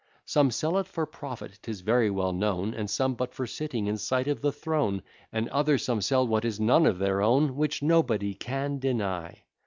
Some sell it for profit, 'tis very well known, And some but for sitting in sight of the throne, And other some sell what is none of their own. Which nobody can deny.